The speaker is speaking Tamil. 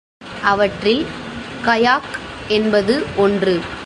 அவற்றில் கயாக் என்பது ஒன்று.